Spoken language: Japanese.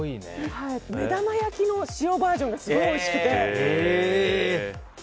目玉焼きの塩バージョンがすごいおいしくて。